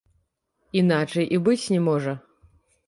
Іначай і быць не можа.